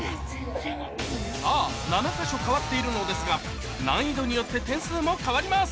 さぁ７か所変わっているのですが難易度によって点数も変わります